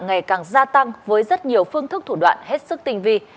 ngày càng gia tăng với rất nhiều phương thức thủ đoạn hết sức tinh vi